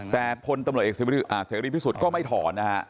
แต่พลตำรวจเอกเสรีพิสุทธิ์ก็ไม่ถอนนะฮะ